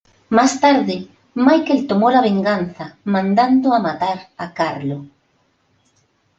Más tarde, Michael tomó la venganza mandando a matar a Carlo.